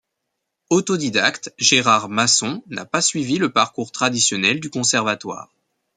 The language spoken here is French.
Autodidacte, Gérard Masson n'a pas suivi le parcours traditionnel du conservatoire.